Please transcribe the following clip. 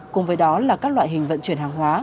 cùng với đó là các loại hình vận chuyển hàng hóa